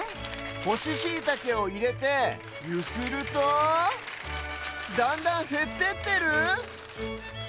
ほしシイタケをいれてゆするとだんだんへってってる？